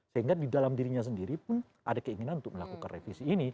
sehingga di dalam dirinya sendiri pun ada keinginan untuk melakukan revisi ini